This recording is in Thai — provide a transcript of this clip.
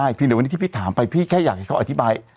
เพียงเดี๋ยววันนี้ที่พี่ถามไปพี่แค่อยากให้เขาอธิบาย